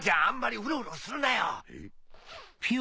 あんまりウロウロするなよ。